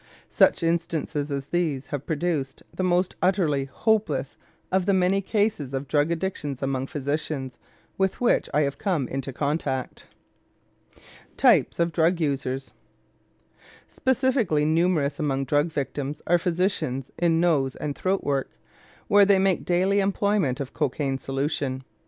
Such instances as these have produced the most utterly hopeless of the many cases of drug addictions among physicians with which I have come into contact. TYPES OF DRUG USERS Specially numerous among drug victims are physicians in nose and throat work, where they make daily employment of cocaine solution.